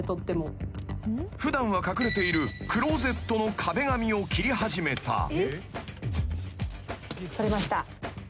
［普段は隠れているクローゼットの壁紙を切り始めた］